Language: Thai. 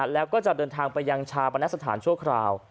แล้วก็จะเดินทางไปยังชาปนสถานชั่วคราว